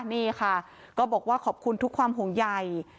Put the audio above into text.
นี่ค่ะก็บอกว่าขอบคุณทุกความห่วงใหญ่